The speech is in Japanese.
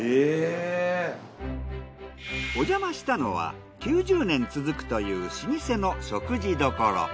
おじゃましたのは９０年続くという老舗の食事処。